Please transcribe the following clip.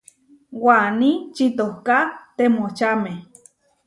Waní čitoká temočáme.